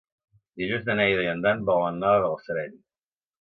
Dilluns na Neida i en Dan volen anar a Balsareny.